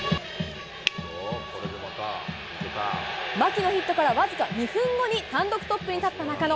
牧のヒットから僅か２分後に単独トップに立った中野。